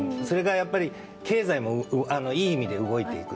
経済もいい意味で動いていく。